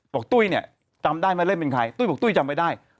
ตุ้ยเนี่ยจำได้ไหมเล่นเป็นใครตุ้ยบอกตุ้ยจำไม่ได้